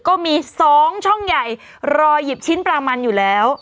ก็มี๒ช่องใหญ่รอหยิบชิ้นปลามันอยู่แล้ว